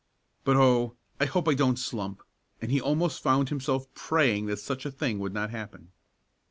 "But oh! I hope I don't slump!" and he almost found himself praying that such a thing would not happen.